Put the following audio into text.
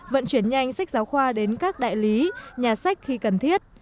vận chuyển nhanh sách giáo khoa đến các đại lý nhà sách khi cần thiết